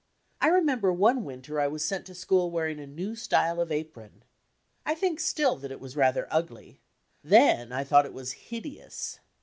I remember one winter I was sent to school wearing a new style of apron. I think still that it was rather ugly. Then I thought it was hideous.